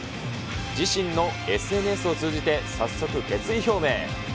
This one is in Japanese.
自身のＳＮＳを通じて、早速、決意表明。